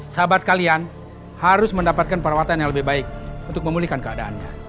sahabat kalian harus mendapatkan perawatan yang lebih baik untuk memulihkan keadaannya